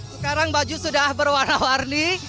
sekarang baju sudah berwarna warni